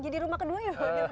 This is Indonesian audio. jadi rumah kedua ya pak